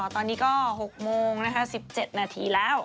ตอนนี้ก็๖โมง๑๗นาทีแล้ว